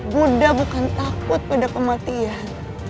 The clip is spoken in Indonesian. buddha bukan takut pada kematian